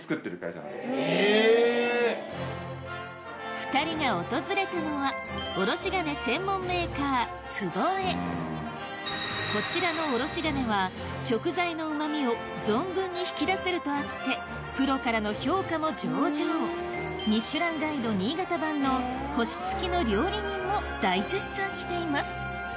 ２人が訪れたのはこちらのおろし金は食材の旨味を存分に引き出せるとあってプロからの評価も上々『ミシュランガイド』新潟版の星付きの料理人も大絶賛しています